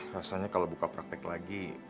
rasanya kalau buka praktek lagi